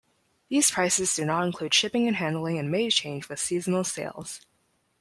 These prices do not include shipping and handling and may change with seasonal sales.